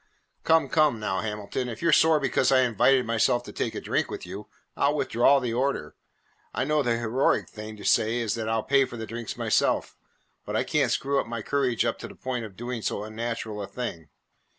"Come, come now, Hamilton, if you 're sore because I invited myself to take a drink with you, I 'll withdraw the order. I know the heroic thing to say is that I 'll pay for the drinks myself, but I can't screw my courage up to the point of doing so unnatural a thing."